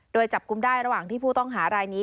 โดยจับกลุ่มได้ระหว่างที่ผู้ต้องหารายนี้